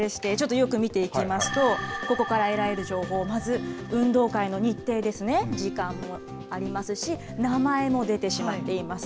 これでして、ちょっと、よく見ていきますと、ここから得られる情報、まず、運動会の日程ですね、時間もありますし、名前も出てしまっています。